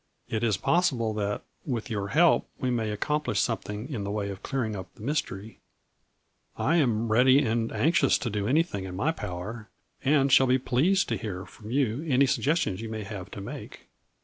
It is possible that, with your help, we may accomplish something in the way of clearing up the mystery. I am ready and anxious to do anything in my power, and shall be pleased to 144 A FLURRY IN DIAMONDS. hear from you any suggestions you may have to make."